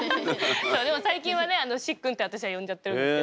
最近はね「しっくん」って私は呼んじゃってるんですけど。